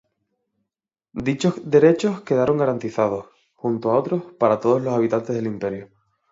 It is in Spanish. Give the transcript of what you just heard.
Dichos derechos quedaron garantizados, junto a otros, para todos los habitantes del imperio.